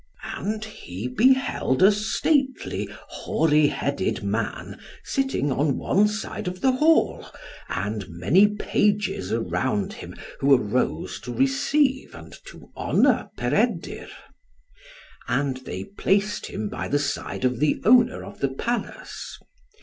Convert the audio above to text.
And he beheld a stately hoary headed man sitting on one side of the hall, and many pages around him, who arose to receive and to honour Peredur. And they placed him by the side of the owner of the palace.